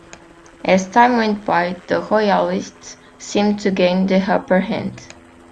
As time went by, the Royalists seemed to gain the upper hand.